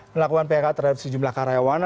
melakukan phk terhadap sejumlah karyawan